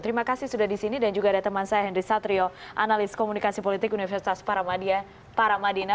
terima kasih sudah di sini dan juga ada teman saya henry satrio analis komunikasi politik universitas paramadina